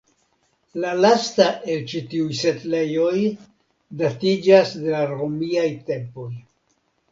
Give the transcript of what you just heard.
La lasta el ĉi tiuj setlejoj datiĝas de la romiaj tempoj.